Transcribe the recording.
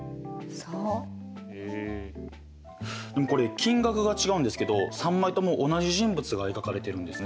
でもこれ金額が違うんですけど３枚とも同じ人物が描かれてるんですね。